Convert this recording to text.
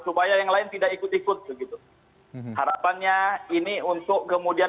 supaya yang lain tidak ikut ikut begitu harapannya ini untuk kemudian